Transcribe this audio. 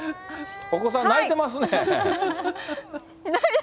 お子さん、泣いてますね。